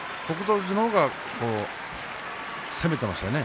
富士の方が攻めていましたね